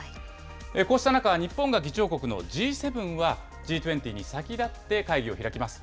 こうした中、日本が議長国のＧ７は、Ｇ２０に先立って会議を開きます。